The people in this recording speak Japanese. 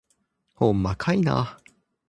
ほんまかいな